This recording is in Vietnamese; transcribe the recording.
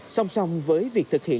song song với việc thực hiện